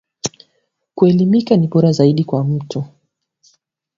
Kuelimika ni bora zaidi kwa mtu